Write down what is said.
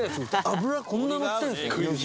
脂こんなのってるんすね。